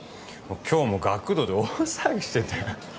今日も学童で大騒ぎしてたよ